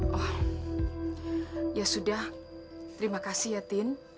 wah ya sudah terima kasih ya tin